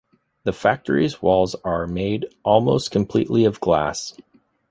The factory's walls are made almost completely of glass.